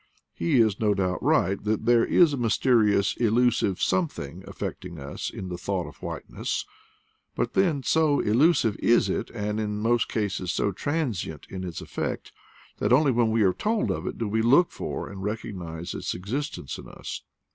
He is no doubt right that there is a mysterious illusive something affecting us in the thought of whiteness ; but, then, so illusive is it, and in most cases so transient in its effect, that only when we are told of it do we look for and recognize its existence in us.